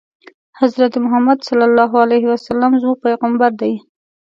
حضرت محمد ص زموږ پیغمبر دی